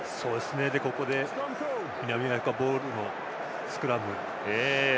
ここで南アフリカボールのスクラム。